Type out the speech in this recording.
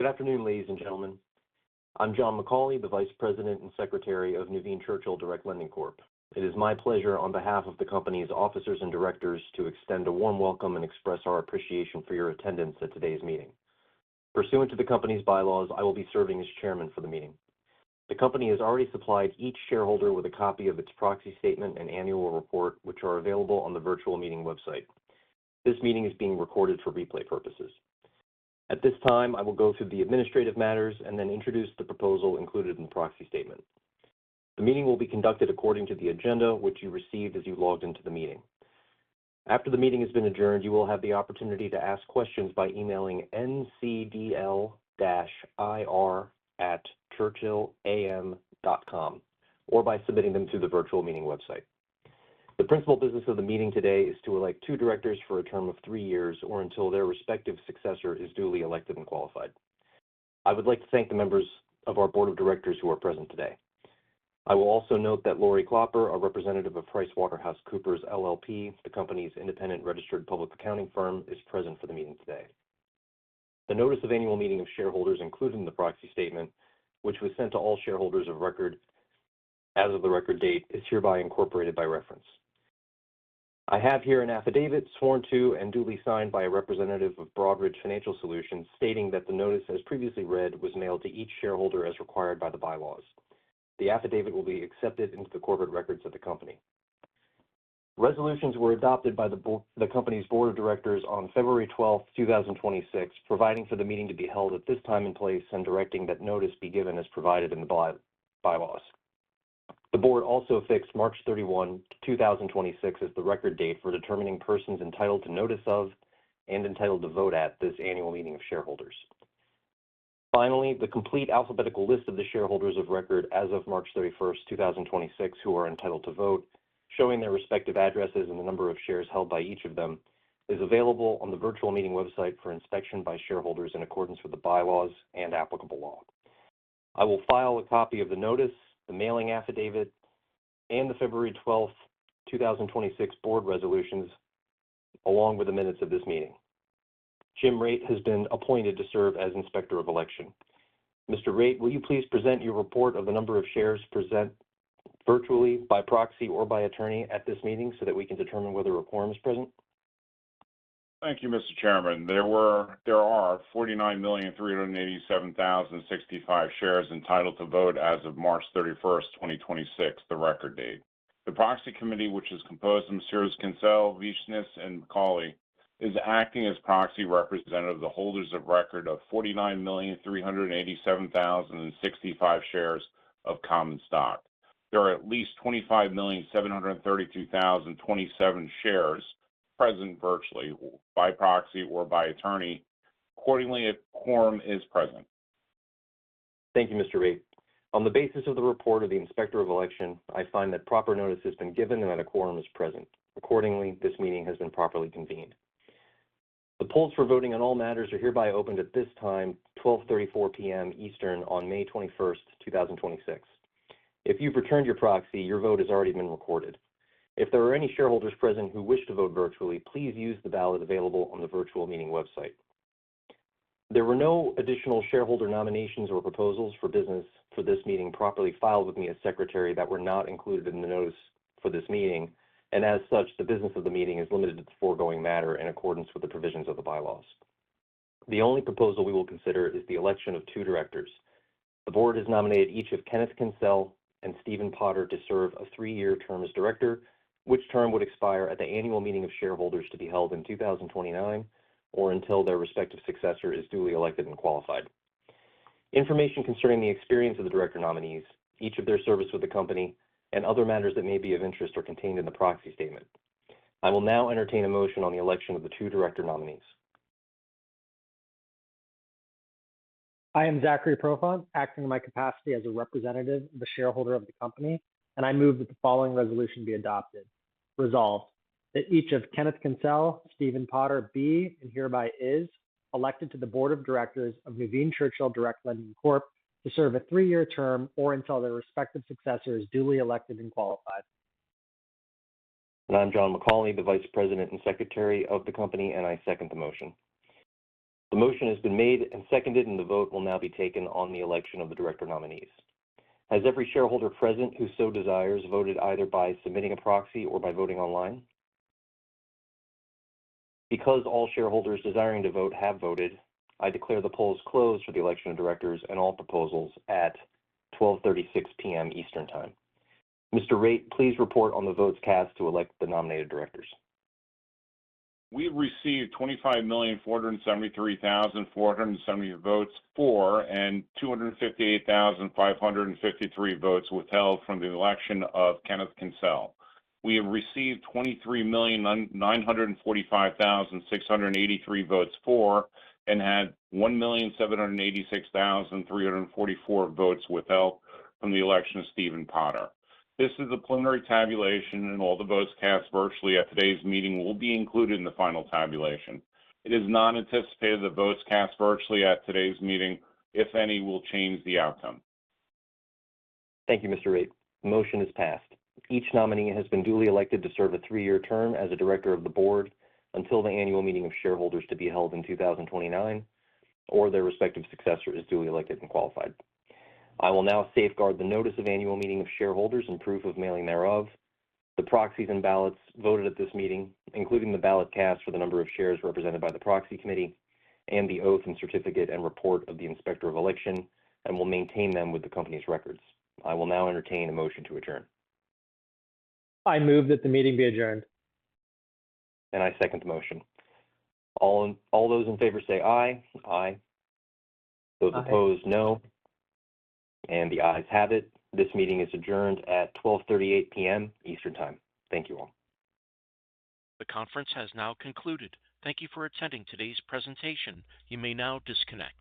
Good afternoon, ladies and gentlemen. I'm John McCally, the Vice President and Secretary of Nuveen Churchill Direct Lending Corp. It is my pleasure, on behalf of the company's officers and directors, to extend a warm welcome and express our appreciation for your attendance at today's meeting. Pursuant to the company's bylaws, I will be serving as Chairman for the meeting. The company has already supplied each shareholder with a copy of its proxy statement and annual report, which are available on the virtual meeting website. This meeting is being recorded for replay purposes. At this time, I will go through the administrative matters and then introduce the proposal included in the proxy statement. The meeting will be conducted according to the agenda, which you received as you logged into the meeting. After the meeting has been adjourned, you will have the opportunity to ask questions by emailing ncdl-ir@churchillam.com or by submitting them through the virtual meeting website. The principal business of the meeting today is to elect two directors for a term of three years or until their respective successor is duly elected and qualified. I would like to thank the members of our Board of Directors who are present today. I will also note that Lori Kloper, a representative of PricewaterhouseCoopers LLP, the company's independent registered public accounting firm, is present for the meeting today. The Notice of Annual Meeting of Shareholders, including the proxy statement, which was sent to all shareholders of record as of the record date, is hereby incorporated by reference. I have here an affidavit sworn to and duly signed by a representative of Broadridge Financial Solutions, stating that the notice as previously read was mailed to each shareholder as required by the bylaws. The affidavit will be accepted into the corporate records of the company. Resolutions were adopted by the company's Board of Directors on February 12th, 2026, providing for the meeting to be held at this time and place, and directing that notice be given as provided in the bylaws. The Board also fixed March 31, 2026, as the record date for determining persons entitled to notice of and entitled to vote at this Annual Meeting of Shareholders. Finally, the complete alphabetical list of the shareholders of record as of March 31st, 2026, who are entitled to vote, showing their respective addresses and the number of shares held by each of them, is available on the virtual meeting website for inspection by shareholders in accordance with the bylaws and applicable law. I will file a copy of the notice, the mailing affidavit, and the February 12th, 2026 Board resolutions, along with the minutes of this meeting. Jim Raitt has been appointed to serve as Inspector of Election. Mr. Raitt, will you please present your report of the number of shares present virtually, by proxy, or by attorney at this meeting so that we can determine whether a quorum is present? Thank you, Mr. Chairman. There are 49,387,065 shares entitled to vote as of March 31st, 2026, the record date. The Proxy Committee, which is composed of Messrs. Kencel, Vichness, and McCally, is acting as proxy representative of the holders of record of 49,387,065 shares of common stock. There are at least 25,732,027 shares present virtually, by proxy, or by attorney. Accordingly, a quorum is present. Thank you, Mr. Raitt. On the basis of the report of the Inspector of Election, I find that proper notice has been given and that a quorum is present. Accordingly, this meeting has been properly convened. The polls for voting on all matters are hereby opened at this time, 12:34 P.M. Eastern on May 21st, 2026. If you've returned your proxy, your vote has already been recorded. If there are any shareholders present who wish to vote virtually, please use the ballot available on the virtual meeting website. There were no additional shareholder nominations or proposals for business for this meeting properly filed with me as Secretary that were not included in the notice for this meeting. As such, the business of the meeting is limited to the foregoing matter in accordance with the provisions of the bylaws. The only proposal we will consider is the election of two directors. The Board has nominated each of Kenneth Kencel and Stephen Potter to serve a three-year term as director, which term would expire at the Annual Meeting of Shareholders to be held in 2029 or until their respective successor is duly elected and qualified. Information concerning the experience of the director nominees, each of their service with the company, and other matters that may be of interest are contained in the proxy statement. I will now entertain a motion on the election of the two director nominees. I am Zachary Profant, acting in my capacity as a representative, the shareholder of the company, and I move that the following resolution be adopted. Resolved, that each of Kenneth Kencel and Stephen Potter be, and hereby is, elected to the Board of Directors of Nuveen Churchill Direct Lending Corp. to serve a three-year term or until their respective successor is duly elected and qualified. I'm John McCally, the Vice President and Secretary of the company, and I second the motion. The motion has been made and seconded, and the vote will now be taken on the election of the director nominees. Has every shareholder present who so desires voted either by submitting a proxy or by voting online? All shareholders desiring to vote have voted, I declare the polls closed for the election of directors and all proposals at 12:36 P.M. Eastern Time. Mr. Raitt, please report on the votes cast to elect the nominated directors. We received 25,473,470 votes for, and 258,553 votes withheld from the election of Kenneth Kencel. We have received 23,945,683 votes for and had 1,786,344 votes withheld from the election of Stephen Potter. This is a preliminary tabulation, and all the votes cast virtually at today's meeting will be included in the final tabulation. It is not anticipated that votes cast virtually at today's meeting, if any, will change the outcome. Thank you, Mr. Raitt. The motion is passed. Each nominee has been duly elected to serve a three-year term as a Director of the Board until the Annual Meeting of Shareholders to be held in 2029 or their respective successor is duly elected and qualified. I will now safeguard the Notice of the Annual Meeting of Shareholders and proof of mailing thereof, the proxies and ballots voted at this meeting, including the ballot cast for the number of shares represented by the Proxy Committee, and the oath and certificate and report of the Inspector of Election, and will maintain them with the company's records. I will now entertain a motion to adjourn. I move that the meeting be adjourned. I second the motion. All those in favor say aye. Aye. Aye. Those opposed, no. The ayes have it. This meeting is adjourned at 12:38 P.M. Eastern Time. Thank you all. The conference has now concluded. Thank you for attending today's presentation. You may now disconnect.